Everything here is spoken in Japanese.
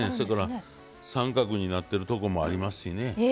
三角になってるところもありますしね。